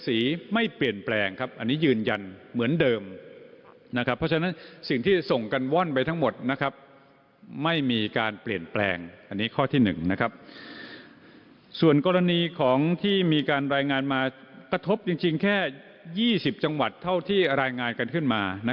ใช่ค่ะแต่รายจังหวัดก็จะแตกต่างกัน